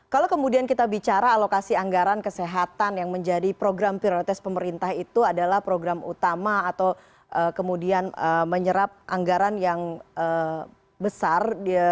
kalau kemudian kita bicara alokasi anggaran kesehatan yang menjadi program prioritas pemerintah itu adalah program utama atau kemudian menyerap anggaran yang besar